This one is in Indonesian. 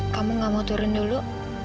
kamu gak mau turun dulu